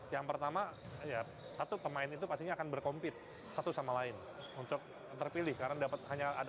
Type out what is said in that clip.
yang pertama satu pemain itu pasti akan berkompit